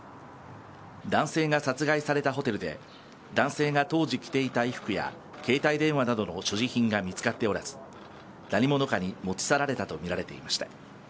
男性が殺害されたホテルで、男性が当時着ていた衣服や、携帯電話などの所持品が見つかっておらず、何者かに持ち去られたと見られていました。